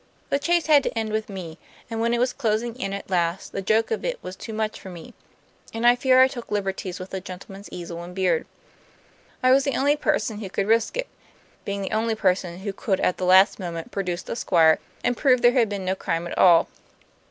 The chase had to end with me, and when it was closing in at last the joke of it was too much for me, and I fear I took liberties with the gentleman's easel and beard. I was the only person who could risk it, being the only person who could at the last moment produce the Squire and prove there had been no crime at all.